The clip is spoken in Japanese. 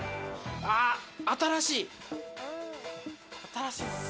新しいな。